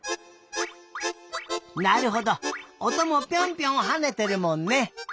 なるほどおともピョンピョンはねてるもんね。